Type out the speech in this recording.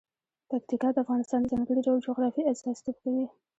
پکتیکا د افغانستان د ځانګړي ډول جغرافیه استازیتوب کوي.